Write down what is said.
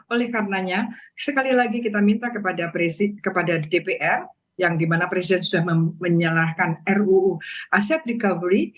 oleh karenanya sekali lagi kita minta kepada dpr yang dimana presiden sudah menyalahkan ruu aset recovery